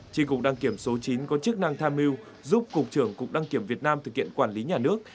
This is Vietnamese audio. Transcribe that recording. tri cục đăng kiểm số chín có chức năng tham mưu giúp cục trưởng cục đăng kiểm việt nam thực hiện quản lý nhà nước